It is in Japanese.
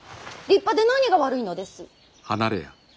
立派で何が悪いのです。